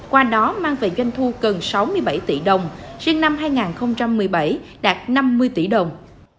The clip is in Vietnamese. qua đó mang về doanh thu gần sáu mươi bảy tỷ đồng riêng năm hai nghìn một mươi bảy đạt năm mươi tỷ đồng